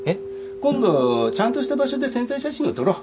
今度ちゃんとした場所で宣材写真を撮ろう。